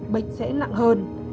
bệnh sẽ nặng hơn